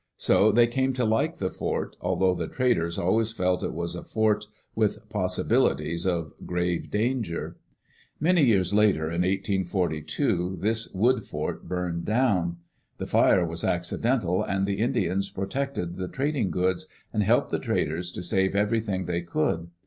So they came to like the fort, although the traders always felt it was a fort with possi bilities of grave danger. Many years later, in 1842, this wood fort burned down. The fire was accidental, and the Indians protected the trading goods, and helped the traders to save everything they could.